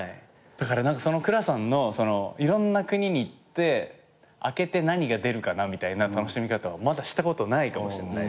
だから蔵さんのいろんな国に行って開けて何が出るかなみたいな楽しみ方はまだしたことないかもしれない。